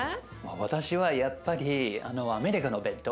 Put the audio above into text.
私はやっぱりあのアメリカのお弁当。